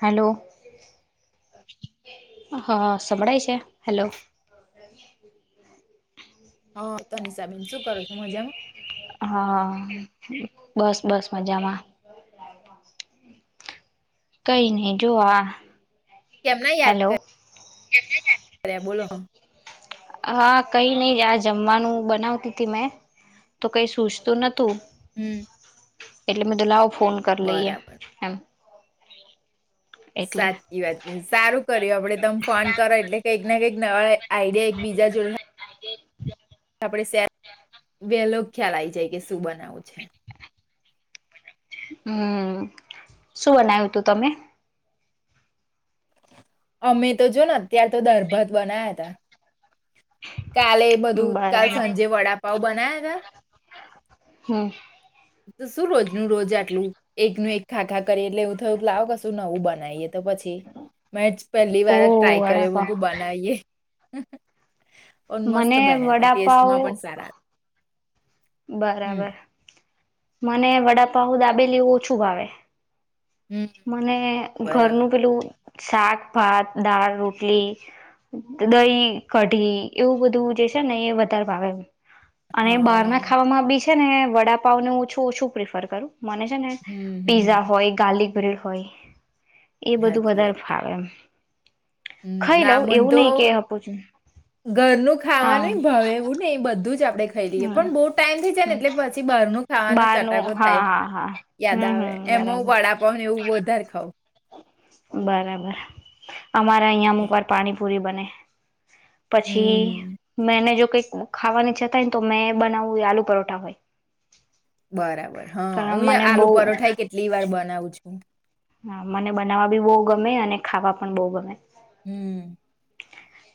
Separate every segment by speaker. Speaker 1: Hello હા સંભળાય છે હલો
Speaker 2: હા તનષાબેન શું કરો છો મજામાં
Speaker 1: હા બસ બસ મજામાં કઈ નહ જોવા
Speaker 2: કેમના યાદ કર બોલો હ
Speaker 1: હા કઈ નહી આ જમવાનું બનાવતી હતી મેં તો કઈ સૂજતું નતું
Speaker 2: હમ
Speaker 1: એટલે મે દો લ ફોન કર લઈએ
Speaker 2: બરાબર
Speaker 1: હેમ
Speaker 2: સાચી વાત છે સારું કર્યું આપડે તમે ફોન કરો એટલે કંઈક ના કંઈક નવા આઈડિયા એક બીજા જોડે આપડણે શે વેલો ખ્યાલ આવી જાય કે શું બનાવું છે
Speaker 1: હમ શું બનાવ્યું તું તમે
Speaker 2: અમે તો જો ને અત્યાર તો દરભત બના્યા હતા કાલે બધું કાલ
Speaker 1: બરાબર.
Speaker 2: સાંજે વડાપઉ બના્યા હતા
Speaker 1: હમ્મ
Speaker 2: શું રોજનું રોજ આટલું એકનું એક ખાખા કરી એટલે એું થયું લાવો કશું નવું બનાવીએ તો પછી મે પહેલી
Speaker 1: ઓ
Speaker 2: વાર ટ્રાય કર્યો
Speaker 1: વડાપાવ
Speaker 2: મગુ બનાવીએ હ પણ મસ્ત
Speaker 1: મને
Speaker 2: બન્યા હતા
Speaker 1: વડાપાવ
Speaker 2: ટેસ્ટમાં પણ સારા હમ
Speaker 1: બરાબર મને વડાપ દાબેલી એવું ઓછું ભાવે
Speaker 2: હમ
Speaker 1: મને
Speaker 2: બરાબર
Speaker 1: ઘરનું પેલું શાકભાત દાળ રોટલી દહી કઢી એવું બધું જે છે ને એ વધારે ભાવે અને બહાર ના
Speaker 2: હા
Speaker 1: ખાવામાં બી છે છે ને વડાપાવને હું છું શું પ્રિફર કરું મને છે ને
Speaker 2: હમ હમ હમ
Speaker 1: પીઝ્ઝા હોય ગાર્લિક બર હોય એ બધું વધારે ફાવે એમ ખાઈ લઉં
Speaker 2: નામ
Speaker 1: એવું
Speaker 2: તો
Speaker 1: નહી કે આપું છું
Speaker 2: ઘરનું
Speaker 1: હા
Speaker 2: ખાવાનું ભવે એવું ને એ બધું જ આપ આપે ખાઈ લઈએ
Speaker 1: હમ
Speaker 2: પણ બહુ ટાઈમ થઈ જાય ને
Speaker 1: હમ
Speaker 2: એટલે પછી બહાર ન ખાવાનો
Speaker 1: બારનું
Speaker 2: ચટાકો
Speaker 1: હા
Speaker 2: થાય
Speaker 1: હા હા
Speaker 2: યાદ
Speaker 1: હમ
Speaker 2: આવે
Speaker 1: હમ
Speaker 2: એમાં
Speaker 1: બરાબર
Speaker 2: વડાપાવ ને એવું વધારે ખઉં
Speaker 1: બરાબર અમારા અહંયા મુુકવા પર પાણી ફૂબને પછી
Speaker 2: હમ
Speaker 1: મે જો કઈક ખાવાની છતાય ને તો મેં બનાવું આલુ પરોઠા હોય
Speaker 2: બરાબર હા
Speaker 1: કારણ
Speaker 2: હું
Speaker 1: મને બહુ
Speaker 2: આલુ પરોઠા કેટલી વાર બનાવું છું [unintelligible]
Speaker 1: હા મને બનાવવા ભી બહુ ગમે અને ખાવા પણ બહુ ગમે
Speaker 2: હમ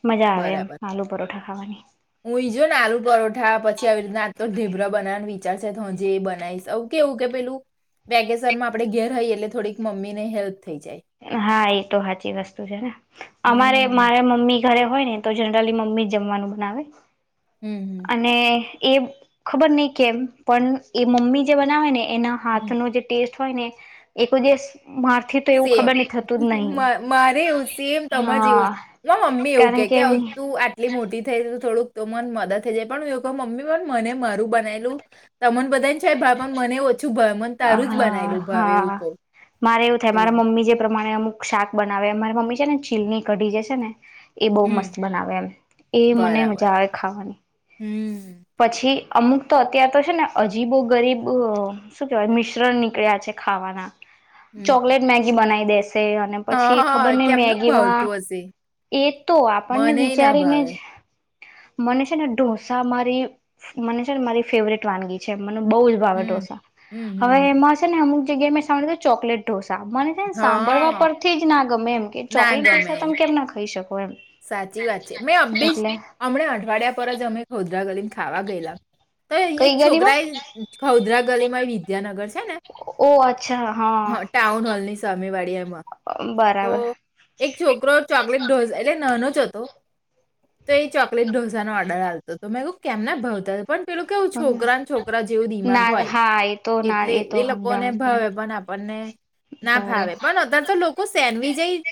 Speaker 1: મજા આવે એમ
Speaker 2: બરાબર
Speaker 1: આલુ પરોઠા ખાવાની
Speaker 2: હું ઈ જોું ને આલુ પરોઠા પછી આવી રીને આ તો ઢેબ્ર બનાવાનું વિચારશે તો હ જે એ બનાવીશ કેવું કે પેલું વેકેશન માં આપણે ઘેર રઈએ એટલે થોડીક મમ્મી ને હેલ્પ થઈ જાય
Speaker 1: હા એ તો સાચી વસ્તુ છે ને અમારે
Speaker 2: હમ
Speaker 1: મારે મમ્મી ઘરે હોય ને તો જનરલી મમ્મી જમવાનું બનાવે
Speaker 2: હમ
Speaker 1: અને એ ખબર નહ કેમ પણ એ મમ્મી જે બનાવે ને એના
Speaker 2: હમ
Speaker 1: હાથનો જે ટેસ્ટ ને એક દિવ મા
Speaker 2: સેમ મારે એવું સેમ તજ એવું
Speaker 1: હા
Speaker 2: છે મમ્મી એવું કે કે આવ તું આટલી મોટી થઈ થોડુંક તો મને મદદ થઈ જાય પણ હ મમ્મી પણ મને મારું બનાલું તમને બધાને છે ભાઈ પણ મને છું ભય મન તારું જ
Speaker 1: હા
Speaker 2: બનાયલું ભાવ એવું
Speaker 1: હા
Speaker 2: કહ
Speaker 1: મારે એવું મારા મમ્મી જે મારે અમુક શાક બનાવે અમારી મમ્મી છે ને ચીલની કઢી જે છે ને એ બો
Speaker 2: હમ
Speaker 1: મસ્ત બનાવે એમ એ મને
Speaker 2: બરાબર
Speaker 1: મજા આવે ખાવાની
Speaker 2: હમ
Speaker 1: પછી અમુક તો અત્ય્યારે તો છે ને અજીબો ગરીબ શું કહેવાય મિશ્રણ નીકળ્યા છે ખાવાના
Speaker 2: હમ
Speaker 1: ચોકલેટ મેગી બનાઈ દેશ છે અને પછી ખબર
Speaker 2: હા
Speaker 1: ને
Speaker 2: કેમનું
Speaker 1: મેગીમાં
Speaker 2: ભાવતું હશે
Speaker 1: એ તો આપણને
Speaker 2: મનેય ના
Speaker 1: વિચારીને
Speaker 2: ભાવે
Speaker 1: જ મને છે ને ઢોસા મા [unintelligible] મને છે ને મારી ફેવરેટ વાનગી છે મને બોઉુ જ ભાવે
Speaker 2: હમ
Speaker 1: ઢોસા
Speaker 2: હમ હમ
Speaker 1: હવે
Speaker 2: હમ.
Speaker 1: એમાં છે ને અમુક એક જગ્યાએ મેં સાંભળેલુ ચોકલેટ ઢોસ સાંમાન્ય છે ને સાંભળવા
Speaker 2: હા
Speaker 1: પરથી જ ના ગમે એમ કે
Speaker 2: ના
Speaker 1: ચોકલેટ
Speaker 2: ગમે
Speaker 1: પૈસા તમે કેમ ના ખાઈ શકતા
Speaker 2: સાચી વાત છે મેં અબીજ હમણા અઠવાડિયા પર જ અમે ખોદરા ગલી ખાવા ગયેલા તો એક
Speaker 1: કઈ ગલીમાં
Speaker 2: છોકરા એ ખૌદરા ગલીમાં વિદ્યાનગર છે ને
Speaker 1: ઓ અચ્છા હા
Speaker 2: ટાઉન હોલ ની સામે વાડી એમાં તો
Speaker 1: બરાબર
Speaker 2: એક છોકરો ચોકલેટો ઢોંસો નાનો‌ જ હતો તો એ ચોકલેટ ઢોસા નો ઓર્ડર આલ તો તો મેં કઉ કેમ ના ભાવતા પણ પેલું કેવું છોકરાને છોકરા જેવું દિમાગ
Speaker 1: ના
Speaker 2: હોય
Speaker 1: હા એ તો ના
Speaker 2: એટલે એ
Speaker 1: તો
Speaker 2: લોકોને
Speaker 1: સમજાણ
Speaker 2: ભાવે પણ આપણને ના
Speaker 1: બરે
Speaker 2: ફાવે પણ અતાર તો લોકો સેન્ડવીચ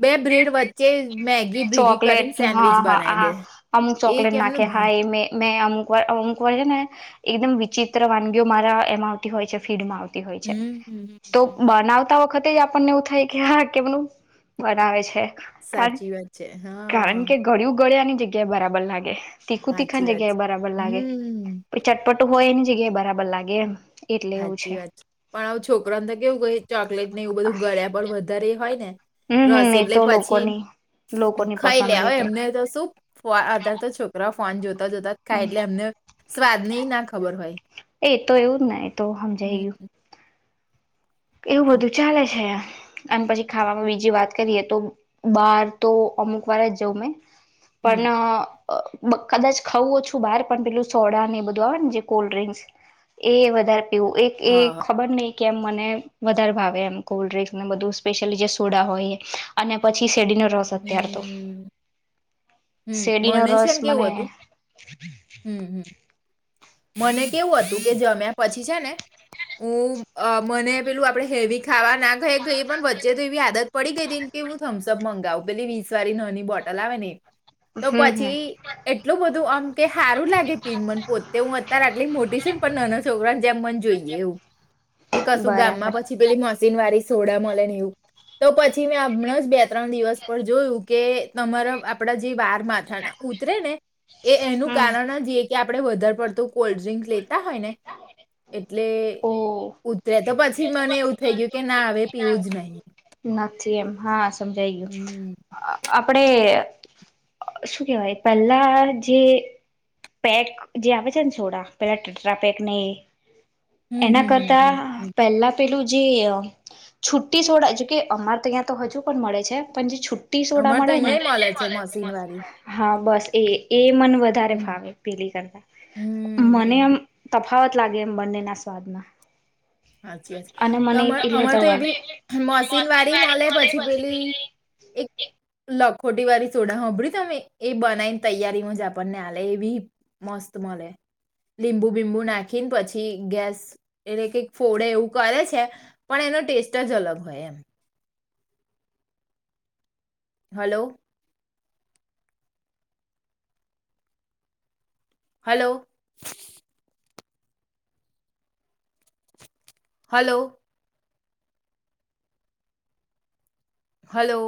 Speaker 2: બે બ્રેડ વચ્ચે જે મેગી ભીગી
Speaker 1: ચોકલેટ
Speaker 2: કરીને સેન્ડવીચ
Speaker 1: હા હા
Speaker 2: બનાવી
Speaker 1: આ
Speaker 2: દે
Speaker 1: અમુક
Speaker 2: એ
Speaker 1: ચોકલેટ
Speaker 2: કે
Speaker 1: નાખે
Speaker 2: [unintelligible]
Speaker 1: હા એ મે મેં અમુક વાર અમુક વાર છે ને એકદમ વિચિત્ર વાનગીઓ મારા એમાં આવતી હોય છે ફીડમાં આવતી હોય છે
Speaker 2: હમ હમ, હમ,
Speaker 1: તો
Speaker 2: હમ.
Speaker 1: બનાવતા તા વખતે જ આપણને એવું થાય કે હા કેવાનું બનાવેે છે કાન
Speaker 2: સાચી વાત છે હા
Speaker 1: કારણ કે ગળું ગળ્યાની જગ્યાએ બરાબર લાગે તીખું
Speaker 2: સાચી
Speaker 1: તીખાની
Speaker 2: વાત
Speaker 1: જગ્યાએ બરાબર
Speaker 2: છે
Speaker 1: લાગે
Speaker 2: હમ
Speaker 1: પણ ચટપટો હોય એની એ જગ્યા બરાબર લાગે એમ એટલે એવું
Speaker 2: હાચી વાત છે પણ આવ છોકરાને તો કેવું ક ચોકલેટ ને એવું બધું ગળે પણ વધારે એ હોય ને
Speaker 1: હમ
Speaker 2: રસ
Speaker 1: હમ એ
Speaker 2: એટલે
Speaker 1: તો
Speaker 2: પછી
Speaker 1: લોકોની લોકોની
Speaker 2: ખાઈ લે
Speaker 1: પસંદ એ
Speaker 2: હો એમને તો શું આધાર તો છોકરા ફોન જો તા જતા જ ખાય એટલે એમને સ્વાદની ના ખબર હોય.
Speaker 1: એ તો એવું જ ને એ તો હમ જઈયું. એવું બધું ચાલે છે. અને પછી ખાવામાં બીજી વાત કરીએ તો બાર તો અમુક વાર જ જઉં મેં
Speaker 2: હમ
Speaker 1: પણ કદાચ ખાઉું ઓછું બહાર પણ પેલું સોડા ને એ બધું આવે ને જે કોલ્ડ્રિંકસ એ વધારે એવું એક એ
Speaker 2: હા.
Speaker 1: ખબર નઈ કેમ મને વધારે ભાવે એમ કોલ્ડ્રિંક્સને બધું સ્પેશ્યયલી જે સોડા હોય અને પછી સેડીનો રોસ અત્યાર તો.
Speaker 2: હમ્મ. હમ્મ.
Speaker 1: શેરડીનો
Speaker 2: મને છે
Speaker 1: રસ
Speaker 2: ને
Speaker 1: મને
Speaker 2: કેવું હતું હમ્મ હમ્મ મને કેવું હતું કે જમ્યા પછી છે ને હું મને પેલું આપણેે હેવી ખાવા ના ખાયઈ પણ વચ્ચે તો એવી આદત પડી ગઈ હતી કે હું થમ્સઅપ મંગાવું પેલી વીસ વાળી નાની બોટલ આવે ને એ. તો
Speaker 1: હમ હમ
Speaker 2: પછી એટલું બધું આમ કે સારું લાગે પીન મન પોતે તે હું અત્યારે આટલી મોટી છું ને પણ નાના છોકરાને જેમ મને જોઈએ એવું કે કશું ગામ માં
Speaker 1: બરાબર
Speaker 2: પછી પેલી મશીન વાળી સોડા મળને એવું તો પછી મેં હમણાં બે ત્રણ દિવસ પર જોયું કે તમારા આપડા જે વા માથા ના ઉતરે ને એ એનું
Speaker 1: હમ
Speaker 2: કારણ જ એક કે આપણે વધારે વર્તુ કોલ્ડ ડ્રિંક લેતા હોય ને એટલે
Speaker 1: ઓ
Speaker 2: ઉતરે તો પછી મને એવું થઈ ગયું કે ના હવે પીવું જ નહી.
Speaker 1: નથી એમ હા. સમજ ગયું આપડે શું કેવાય પહેલા જે પેટ જે આવે છે ને સોડા પેલા [unintelligible]
Speaker 2: હમ્મ
Speaker 1: એના
Speaker 2: હમ્મ હમ્મ
Speaker 1: કરતા
Speaker 2: હમ્મ હમ્મ
Speaker 1: પહેલા પેલું જે છુી છોડ જો કે અમારે તો ત્યાં તો હજુ પણ મળે છે પણ જે છ રટી સોડા
Speaker 2: અમારે તો
Speaker 1: મળે ને
Speaker 2: અહિયાં મળે છે મશીન વાળી
Speaker 1: હા બસ એ એ મન વધારે
Speaker 2: હમ્મ
Speaker 1: ફાવે. મને
Speaker 2: હમ્મ
Speaker 1: આમ તફાવત લાગે એમ બંનેના સ્વાદમાં
Speaker 2: સાાછીચી
Speaker 1: અને મને એટલી
Speaker 2: અમારે તો
Speaker 1: વધારે ભાવે
Speaker 2: એવી મશીન વાળી મળે પછી પેલી એક લખોટી વાળી સોડા સાભળી તમે એ બનાવીને તૈયારીમાં જ આપણને હાલે એ બી મસ્ત મળે લીંબુ બીંબુ નાખીને પછી ગેસ એટલે કે ફોડે એવું કરે છે પણ એનો ટેસ્ટ જ અલગ હોય એમ હલો હલો હલો હલો